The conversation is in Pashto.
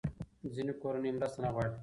ځینې کورنۍ مرسته نه غواړي.